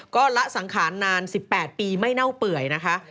ก็ละสังขารนาน๑๘ปีไม่เน่าเปื่อยนะคะ